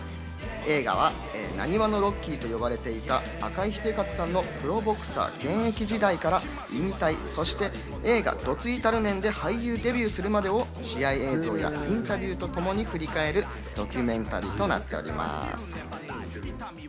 映画は「浪速のロッキー」と呼ばれていた赤井英和さんのプロボクサー現役時代から引退、そして映画『どついたるねん』で俳優デビューするまでを試合映像やインタビューとともに振り返るドキュメンタリーとなっております。